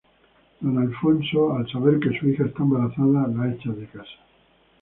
Don Alfonso al saber que su hija está embarazada, la echa de la casa.